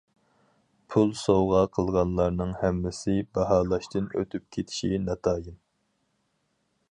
پۇل سوۋغا قىلغانلارنىڭ ھەممىسى باھالاشتىن ئۆتۈپ كېتىشى ناتايىن.